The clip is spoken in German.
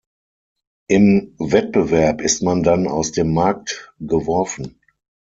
Im Wettbewerb ist man dann aus dem Markt geworfen.